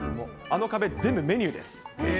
あの壁、全部メニューです。